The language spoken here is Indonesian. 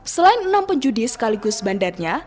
selain enam penjudi sekaligus bandarnya